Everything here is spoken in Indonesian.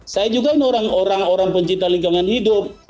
saya juga ini orang orang pencipta lingkungan hidup